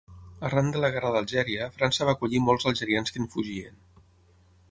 Arran de la guerra d'Algèria, França va acollir molts algerians que en fugien.